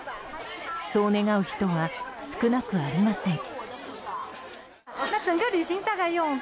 そう願う人は少なくありません。